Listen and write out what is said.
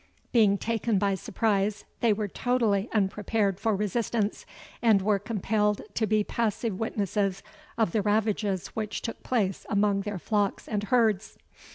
Being taken by surprise, they were totally unprepared for resistance, and were compelled to be passive witnesses of the ravages which took place among their flocks and herds.